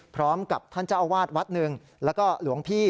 พร้อมกับท่านเจ้าอาวาสวัดหนึ่งแล้วก็หลวงพี่